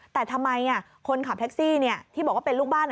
แต่ทำไมคนขับแท็กซี่ที่บอกว่าเป็นลูกบ้าน